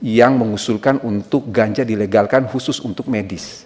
yang mengusulkan untuk ganja dilegalkan khusus untuk medis